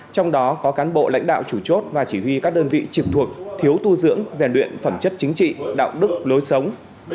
trong đó có cán bộ lãnh đạo chủ chốt và chỉ huy các đơn vị trực thuộc thiếu tu dưỡng rèn luyện phẩm chất chính trị đạo đức lối sống